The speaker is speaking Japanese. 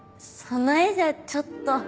その絵じゃちょっと。